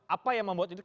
apa yang membuat itu